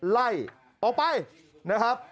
ไล่ออกไปนะครับ